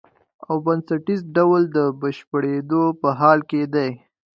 او بنسټیز ډول د بشپړېدو په حال کې دی.